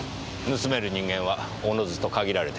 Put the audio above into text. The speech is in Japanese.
盗める人間は自ずと限られてきます。